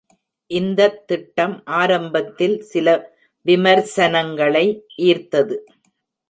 இந்த திட்டம் ஆரம்பத்தில் சில விமர்சனங்களை ஈர்த்தது.